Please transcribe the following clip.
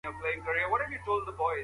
خلګو د سوغاتونو پر ځای ولور ادا کړ.